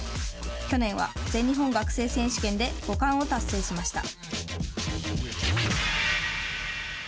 去年は、全日本学生選手権で５冠を達成しました。